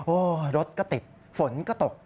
โอ๊ยรถก็ติดฝนก็ตก